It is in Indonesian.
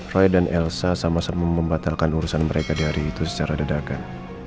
roy dan elsa sama sama membatalkan urusan mereka di hari itu secara dadakan